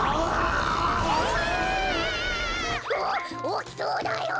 おおきそうだよ。